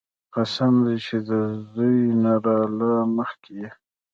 قسم دې چې د زوى نه راله مخکې يې.